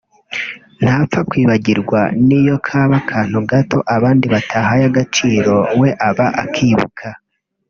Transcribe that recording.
ntapfa kwibagirwa niyo kaba akantu gato abandi batahaye agaciro we aba akibuka